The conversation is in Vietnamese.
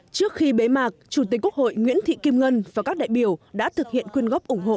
trước khi bế mạc chủ tịch quốc hội nguyễn thị kim ngân và các đại biểu đã thực hiện quyên góp ủng hộ